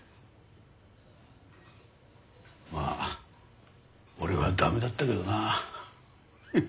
まあ俺は駄目だったけどなフフフ。